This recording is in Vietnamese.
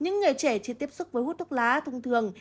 những người trẻ chỉ tiếp xúc với hút thuốc lá thông thường